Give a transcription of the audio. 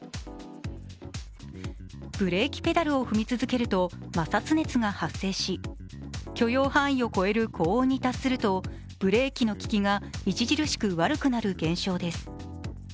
ブレーキペダルを踏み続けると摩擦熱が発生し許容範囲を超える高温に達すると、ブレーキの利きが著しく悪くなる現象です。